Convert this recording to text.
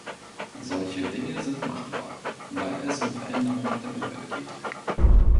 Solche Dinge sind machbar, weil es um Veränderungen der Umwelt geht.